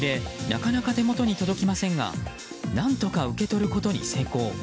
なかなか手元に届きませんが何とか受け取ることに成功。